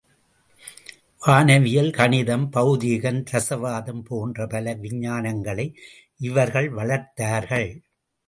வானவியல், கணிதம், பெளதீகம், ரசவாதம் போன்ற பல விஞ்ஞானங்களை இவர்கள் வளர்த்தார்கள்.